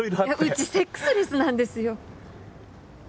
うちセックスレスなんですよ。